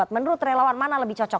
menurut relawan mana lebih cocok